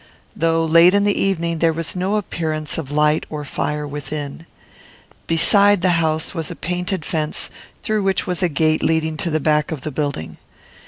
Though late in the evening, there was no appearance of light or fire within. Beside the house was a painted fence, through which was a gate leading to the back of the building.